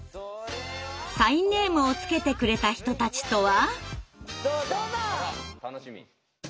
サインネームをつけてくれた人たちとは？